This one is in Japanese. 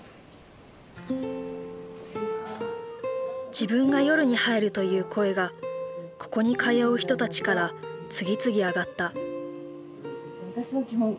「自分が夜に入る」という声がここに通う人たちから次々あがった。